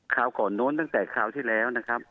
คราวก่อนโน้นตั้งแต่คราวที่แล้วนะครับ